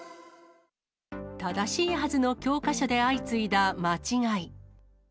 正しいはずの教科書で相次いだ間違い。